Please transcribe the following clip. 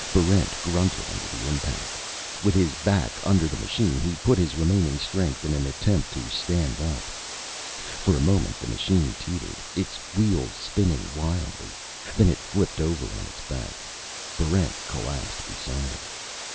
Barrent grunted under the impact. With his back under the machine, he put his remaining strength in an attempt to stand up. For a moment the machine teetered, its wheels spinning wildly. Then it flipped over on its back. Barrent collapsed beside it.